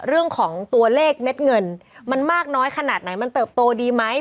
เรื่องของตัวเลขเม็ดเงินมันมากน้อยขนาดไหนมันเติบโตดีไหม